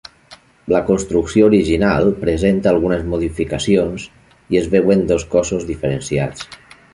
La construcció original presenta algunes modificacions i es veuen dos cossos diferenciats.